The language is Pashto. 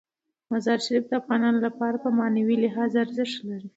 مزارشریف د افغانانو لپاره په معنوي لحاظ ارزښت لري.